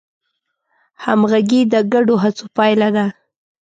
همغږي د ګډو هڅو پایله ده.